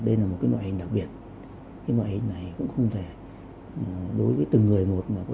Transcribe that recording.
đây là một cái loại hình đặc biệt cái loại hình này cũng không thể đối với từng người một